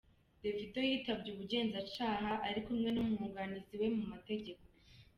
Davido yitabye ubugenzacyaha ari kumwe n’umwunganizi we mu mategeko.